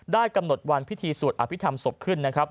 กำหนดวันพิธีสวดอภิษฐรรมศพขึ้นนะครับ